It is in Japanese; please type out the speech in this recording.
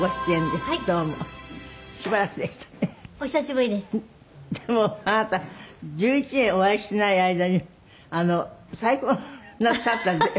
でもあなた１１年お会いしない間に再婚なさったんで。